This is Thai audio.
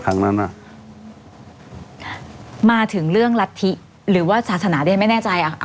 ทางนั้นล่ะมาถึงเรื่องรัฐิหรือว่าศาสนาได้ไม่แน่ใจอ่ะ